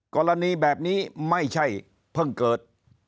กรณีแบบนี้ไม่ใช่เพิ่งเกิด